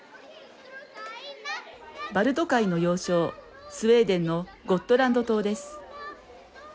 バルト海の要衝スウェーデンのゴットランド島です。